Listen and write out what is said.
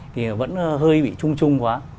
thì vẫn hơi bị trung trung quá